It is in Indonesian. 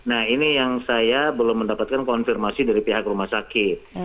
nah ini yang saya belum mendapatkan konfirmasi dari pihak rumah sakit